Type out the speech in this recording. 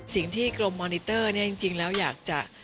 สิ่งที่กรมมอนิเตอร์เนี่ยจริงแล้วอยากจะ